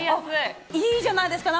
いいじゃないですか。